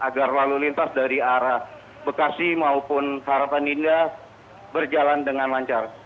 agar lalu lintas dari arah bekasi maupun harapan indah berjalan dengan lancar